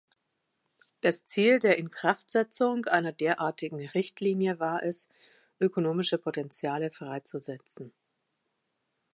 Das Ziel der Inkraftsetzung einer derartigen Richtlinie war es, ökonomische Potentiale freizusetzen.